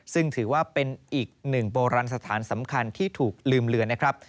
ซึ่งถือว่าเป็นอีกหนึ่งโบราณสถานสำคัญที่ถูกลืมเลือนนะครับ